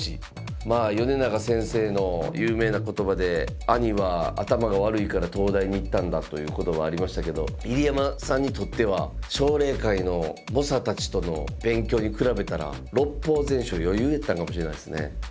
まあ米長先生の有名な言葉でという言葉がありましたけど入山さんにとっては奨励会の猛者たちとの勉強に比べたら「六法全書」余裕やったかもしれないですね。